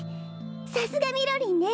さすがみろりんね！